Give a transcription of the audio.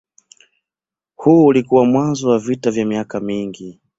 Huu ulikuwa mwanzo wa vita vya miaka mingi.